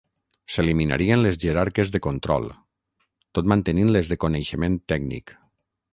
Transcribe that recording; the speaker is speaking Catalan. S'eliminarien les jerarques de control, tot mantenint les de coneixement tècnic.